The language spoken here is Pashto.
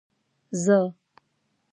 زه.